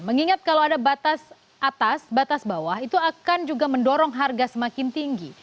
mengingat kalau ada batas atas batas bawah itu akan juga mendorong harga semakin tinggi